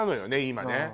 今ね。